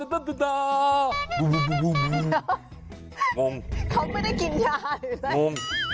เขาไม่ได้กินยาหรืออะไร